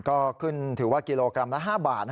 ก็ขึ้นถือว่ากิโลกรัมละ๕บาท